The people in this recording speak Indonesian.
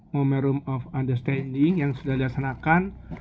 momentum of understanding yang sudah dilaksanakan